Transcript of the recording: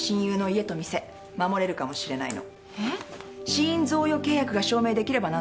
死因贈与契約が証明できれば何とかなる。